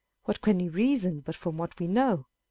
" What can we reason but from what we know